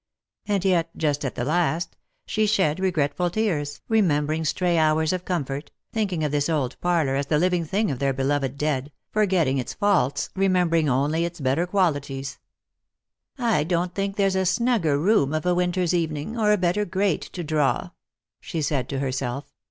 And yet, just at the last, she shed 358 Lost for Love. "regretful tears, remembering stray hours of comfort, thinking bi this old parlour as the living thing of their beloved dead, forgetting its faults, remembering only its better qualities. " I don't think there's a snugger room of a winter's evening, or a better grate to draw," she said to herself.